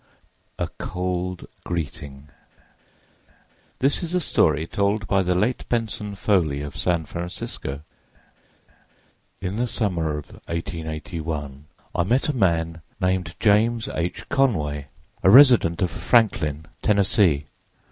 A COLD GREETING THIS is a story told by the late Benson Foley of San Francisco: "In the summer of 1881 I met a man named James H. Conway, a resident of Franklin, Tennessee.